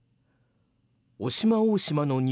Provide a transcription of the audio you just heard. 渡島大島の西